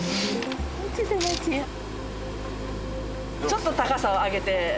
ちょっと高さを上げて。